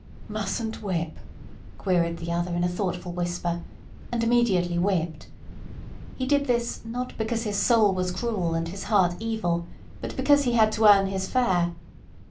"Mustn't whip," queried the other in a thoughtful whisper, and immediately whipped. He did this, not because his soul was cruel and his heart evil, but because he had to earn his fare.